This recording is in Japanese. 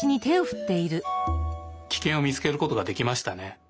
キケンを見つけることができましたね。